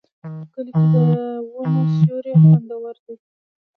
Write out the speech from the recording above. په کلي کې د ونو سیوري خوندور دي.